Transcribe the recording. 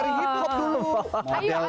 dia pelari hip hop dulu